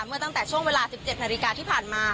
เมื่อตั้งแต่ช่วงเวลาสิบเจ็ดนาฬิกาที่ผ่านมา